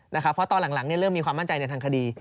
เพราะตอนหลังเริ่มมีความมั่นใจในทางคดี